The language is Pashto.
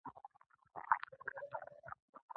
د انسانانو پر ځان تېری وکړي.